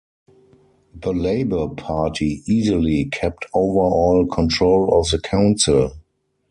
The Labour party easily kept overall control of the council.